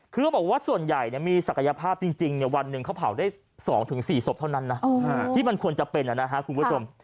คือเขาบอกว่าส่วนใหญ่มีศักยภาพจริงวันหนึ่งเขาเผาได้๒๔ศพเท่านั้นนะที่มันควรจะเป็นนะครับคุณผู้ชม